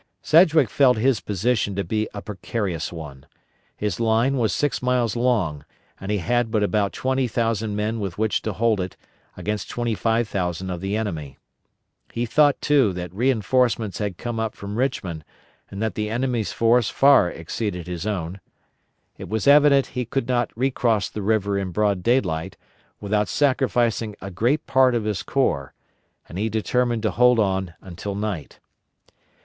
Sedgwick felt his position to be a precarious one. His line was six miles long, and he had but about twenty thousand men with which to hold it against twenty five thousand of the enemy. He thought, too, that reinforcements had come up from Richmond and that the enemy's force far exceeded his own. It was evident he could not recross the river in broad daylight without sacrificing a great part of his corps, and he determined to hold on until night.